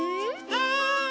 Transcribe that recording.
はい！